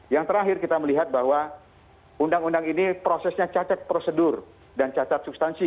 yang terakhir kita melihat bahwa undang undang ini prosesnya cacat prosedur dan cacat substansi